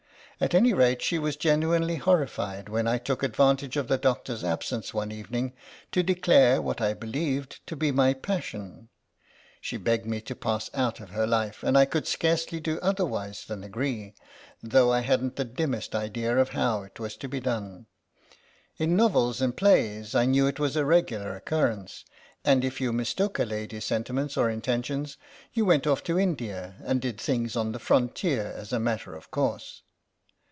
"At any rate, she was genuinely horrified when I took advantage of the doctor's absence one evening to declare what I believed to be my passion. She begged me to pass out of her life, and I could scarcely do otherwise than agree, though I hadn't the dimmest idea of how it was to be done. In novels and plays I knew it was a regular occurrence, and if you mistook a lady's sentiments or intentions you went off to India and did things on the frontier as a matter of course.